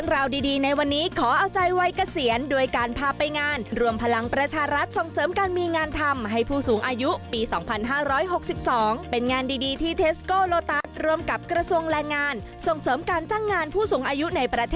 รายละเอียดเป็นอย่างไรไปชมพร้อมหน่อยครับ